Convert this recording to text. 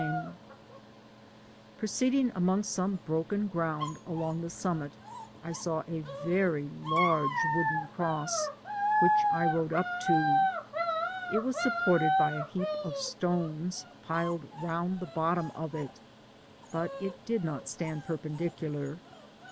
Digitized byGoogk 168 TASSAGB ACBOSS Proceeding among some broken ground along the summit, I saw a very large wooden cross, which I rode up to. It was supported by a heap of stones piled round the bottom, but it did not stand perpendicular.